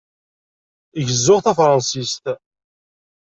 Gezzuɣ tafṛansist.